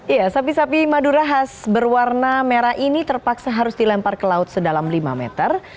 ya sapi sapi madura khas berwarna merah ini terpaksa harus dilempar ke laut sedalam lima meter